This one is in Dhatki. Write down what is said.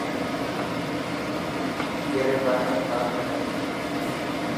ڪيري باري ۾ بات ڪري پيو.